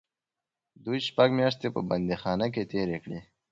دوی شپږ میاشتې په بندیخانه کې تېرې کړې.